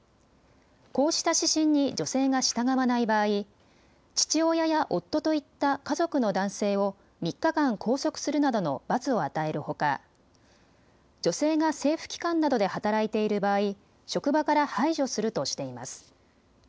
こうした指針に女性が従わない場合、父親や夫といった家族の男性を３日間、拘束するなどの罰を与えるほか女性が政府機関などで働いている場合、職場から排除するとしています。